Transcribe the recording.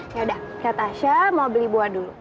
yaudah lihat asya mau beli buah dulu